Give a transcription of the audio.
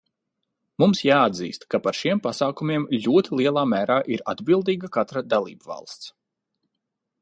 Mums jāatzīst, ka par šiem pasākumiem ļoti lielā mērā ir atbildīga katra dalībvalsts.